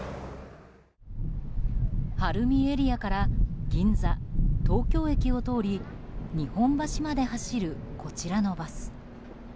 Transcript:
晴海エリアから銀座、東京駅を通り日本橋まで走るこちらのバス。